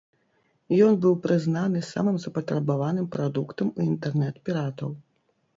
Ён быў прызнаны самым запатрабаваным прадуктам у інтэрнэт-піратаў.